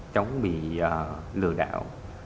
chống bị lừa đảo